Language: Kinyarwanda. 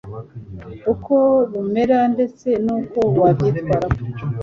uko bumera ndetse nuko wabyitwaramo